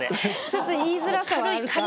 ちょっと言いづらさはあるか。